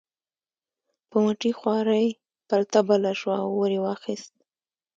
په مټې خوارۍ پلته بله شوه او اور یې واخیست.